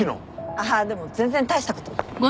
あでも全然大したこと。